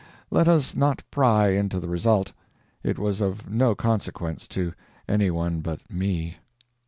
Let us not pry into the result; it was of no consequence to any one but me.